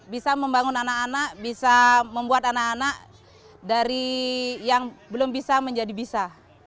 bisa membangun anak anak bisa membuat anak anak dari yang belum bisa menjadi bisa